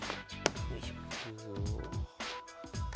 よいしょ。